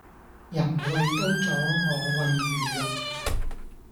人為刀俎我為魚肉